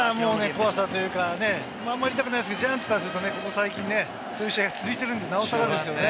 怖さというかね、あんまり言いたくないですけど、ジャイアンツ、ここ最近そういう試合が続いているので、なおさらですよね。